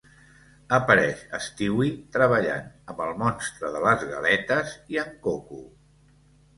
Apareix Stewie treballant amb el Monstre de les galetes i en Coco.